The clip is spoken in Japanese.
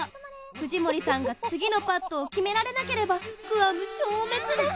藤森さんが次のパットを決められなければグアム消滅です！